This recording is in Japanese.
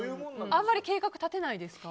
あまり計画立てないですか？